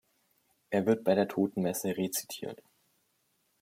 Er wird bei der Totenmesse rezitiert.